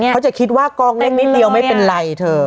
เขาจะคิดว่ากองเล็กนิดเดียวไม่เป็นไรเธอ